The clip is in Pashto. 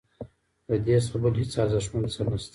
ددې څخه بل هیڅ ارزښتمن څه نشته.